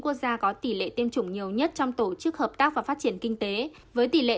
quốc gia có tỷ lệ tiêm chủng nhiều nhất trong tổ chức hợp tác và phát triển kinh tế với tỷ lệ